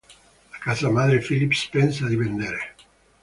La casa madre Philips pensa di vendere.